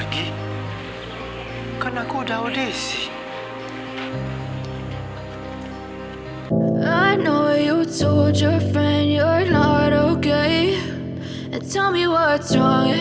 kok nomor urutku dipanggil lagi